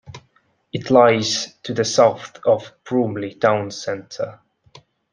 It lies to the south of Bromley town centre.